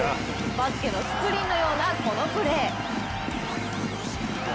バスケのスクリーンのようなこのプレー。